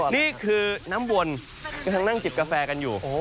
ทั้งนั่งจิบกาแฟกันอยู่